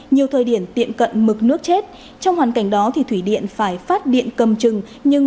nhiều thời điểm tiệm cận mực nước chết trong hoàn cảnh đó thì thủy điện phải phát điện cầm chừng nhưng